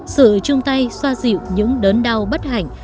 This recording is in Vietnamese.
sự chung tay xoa dịu những đớn đau bất hạnh